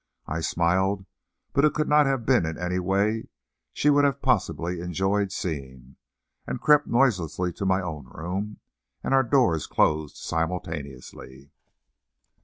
I smiled, but it could not have been in a way she would have enjoyed seeing, and crept noiselessly to my own room, and our doors closed simultaneously.